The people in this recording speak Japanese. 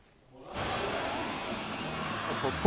速報。